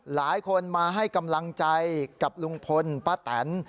หลายคนมาให้กำลังใจกับลุงพลป้าแตน